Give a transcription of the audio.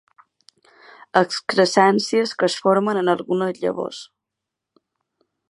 Excrescències que es formen en algunes llavors.